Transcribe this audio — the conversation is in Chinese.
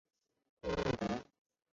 叶梦得。